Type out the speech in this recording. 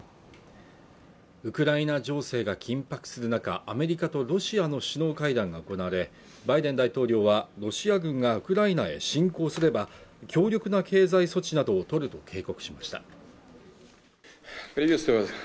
ウクライナ情勢が緊迫する中アメリカとロシアの首脳会談が行われバイデン大統領はロシア軍がウクライナへ侵攻すれば強力な経済措置などを取ると警告しました